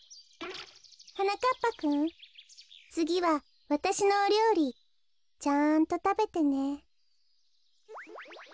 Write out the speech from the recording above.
はなかっぱくんつぎはわたしのおりょうりちゃんとたべてね。